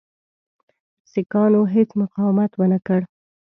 سیکهانو هیڅ مقاومت ونه کړ.